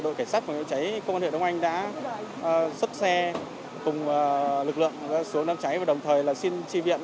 cháy công an huyện đông anh đã xuất xe cùng lực lượng xuống đám cháy và đồng thời xin tri viện